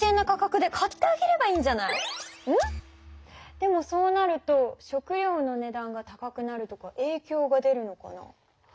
でもそうなると食料の値段が高くなるとかえいきょうが出るのかな？